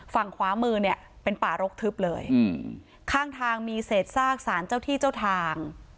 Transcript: ฝั่งขวามือเนี่ยเป็นป่ารกทึบเลยอืมข้างทางมีเศษซากสารเจ้าที่เจ้าทาง